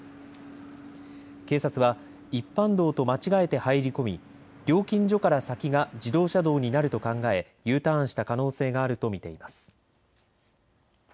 警察は一般道と間違えて入り込み料金所から先が自動車道になると考えＵターンした可能性があると見ています。